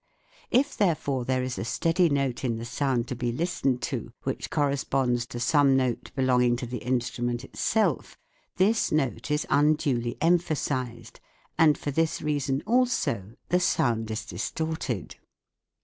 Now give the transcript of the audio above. If, therefore, there is a steady note in the sound to be listened to which corresponds to some note belonging to the instrument itself, this note is unduly emphasised, and for this reason also the sound is distorted.